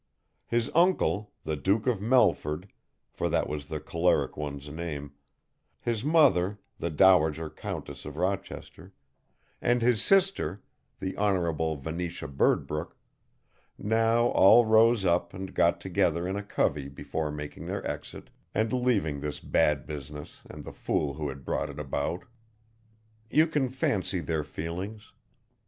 His uncle, the Duke of Melford, for that was the choleric one's name, his mother, the dowager Countess of Rochester, and his sister, the Hon. Venetia Birdbrook, now all rose up and got together in a covey before making their exit, and leaving this bad business and the fool who had brought it about. You can fancy their feelings.